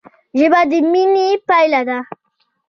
ژبه د مینې پیل دی